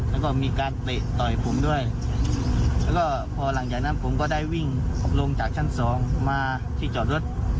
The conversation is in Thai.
แล้วก็มีการเตะต่อยผมด้วยแล้วก็พอหลังจากนั้นผมก็ได้วิ่งลงจากชั้นสองมาที่จอดรถ